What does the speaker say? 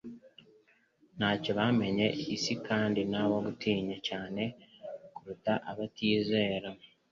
Ntacyo bamanye isi kandi nabo gutinywa cyane kuruta abatizera,